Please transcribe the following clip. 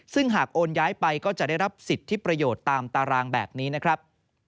ซึ่งหากโอนย้ายไปก็จะได้รับสิทธิประโยชน์ตามตารางแบบนี้นะครับ